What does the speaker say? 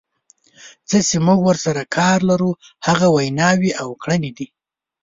څه چې موږ ورسره کار لرو هغه ویناوې او کړنې دي.